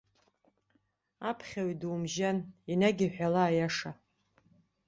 Аԥхьаҩ думжьан, енагь иҳәала аиаша.